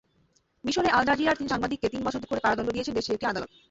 মিসরে আল-জাজিরার তিন সাংবাদিককে তিন বছর করে কারাদণ্ড দিয়েছেন দেশটির একটি আদালত।